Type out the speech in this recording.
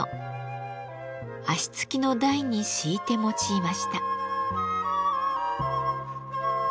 脚付きの台に敷いて用いました。